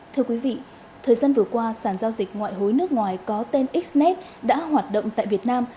thưa quý vị thời gian vừa qua sản giao dịch ngoại hối nước ngoài có tên xnet đã hoạt động tại việt nam